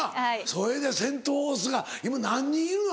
それでセント・フォースが今何人いるの？